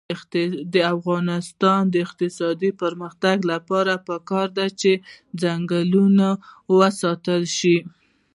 د افغانستان د اقتصادي پرمختګ لپاره پکار ده چې ځنګلونه وساتل شي.